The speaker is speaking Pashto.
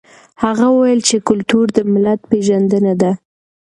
هغه وویل چې کلتور د ملت پېژندنه ده.